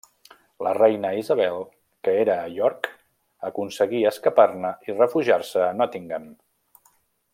La reina Isabel, que era a York, aconseguí escapar-ne i refugiar-se a Nottingham.